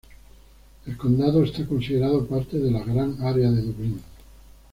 El condado es considerado parte de la Gran Área de Dublín.